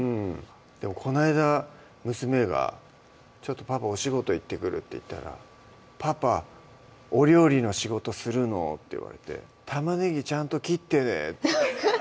でもこないだ娘が「ちょっとパパお仕事行ってくる」って言ったら「パパお料理の仕事するの？」って言われて「たまねぎちゃんと切ってね」